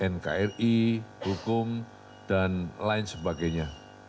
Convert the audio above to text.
nkri hukum dan lain sebagainya